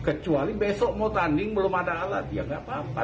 kecuali besok mau tanding belum ada alat ya nggak apa apa